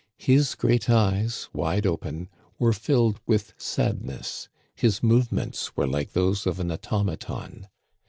His great eyes, wide open, were filled with sadness ; his movements were like those of an automaton.